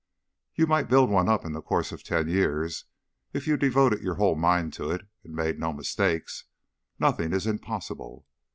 _" "You might build up one in the course of ten years if you devoted your whole mind to it and made no mistakes; nothing is impossible.